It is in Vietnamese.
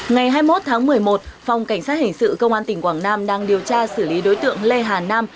ngày hai mươi một tháng một mươi một phòng cảnh sát hình sự công an tỉnh quảng nam đang điều tra xử lý đối tượng lê hà nam